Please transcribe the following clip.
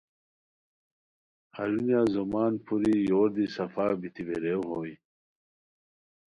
ہرونیہ زومان پھوری یور دی صفا بیتی ویریغ ہوئے